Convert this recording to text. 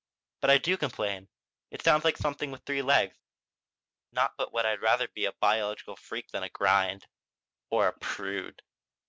"But I do complain. It sounds like something with three legs. Not but what I'd rather be a biological freak than a grind or a prude."